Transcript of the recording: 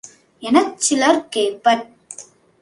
எனச் சிலர் கேட்பர்.